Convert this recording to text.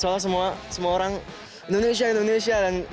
tegang banget soalnya semua orang indonesia indonesia